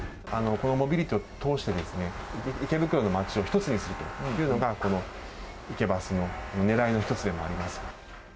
このモビリティを通して、池袋の街を一つにするというのが、このＩＫＥＢＵＳのねらいの一つでもあります。